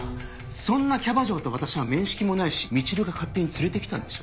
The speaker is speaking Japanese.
そんなキャバ嬢と私は面識もないしみちるが勝手に連れてきたんでしょ。